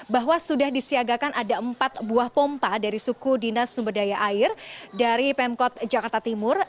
bahwa sudah disiagakan ada empat buah pompa dari suku dinas sumber daya air dari pemkot jakarta timur